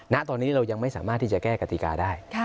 ณตอนนี้เรายังไม่สามารถที่จะแก้กติกาได้